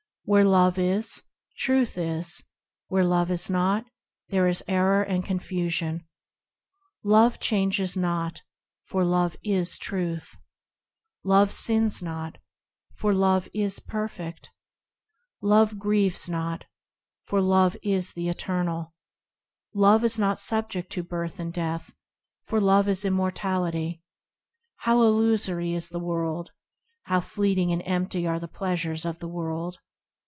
Where Love is, Truth is ; Where Love is not, there is error and confusion Love changes not, for Love is Truth ; Love sins not, for Love is perfect; Love grieves not, for Love is the Eternal; Love is not subject to birth and death, for Love is Immortality. How illusory is the world! How fleeting and empty are the pleasures of the world